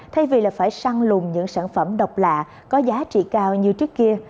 thay vì phải săn lùng những sản phẩm độc lạ có giá trị cao như trước kia